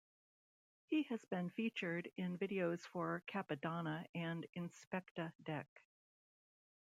He has been featured in videos for Cappadonna and Inspectah Deck.